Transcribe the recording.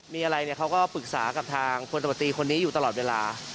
มีอะไรเขาก็ปรึกษากับทางผลปฏิบัติคนนี้อยู่ตลอดเวลา